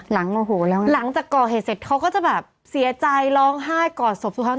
โมโหแล้วหลังจากก่อเหตุเสร็จเขาก็จะแบบเสียใจร้องไห้กอดศพทุกครั้ง